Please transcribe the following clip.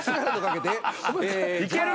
いける？